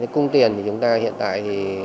cung tiền thì chúng ta hiện tại